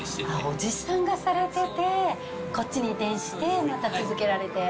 叔父さんがされてて、こっちに移転して、また続けられて。